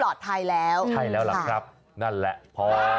ปลอดภัยแล้วใช่แล้วล่ะครับนั่นแหละพอ